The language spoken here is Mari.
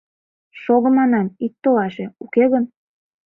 Шого, манам, ит толаше, уке гын...